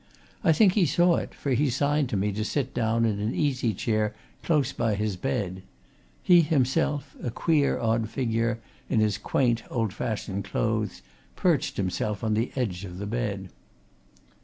I think he saw it, for he signed to me to sit down in an easy chair close by his bed; he himself, a queer, odd figure in his quaint, old fashioned clothes, perched himself on the edge of the bed.